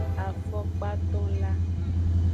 Afokpatonla.